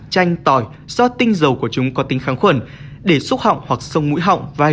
chanh tỏi do tinh dầu của chúng có tính kháng khuẩn để xúc họng hoặc xông mũi họng vài